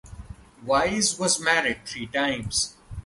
Wise was married three times.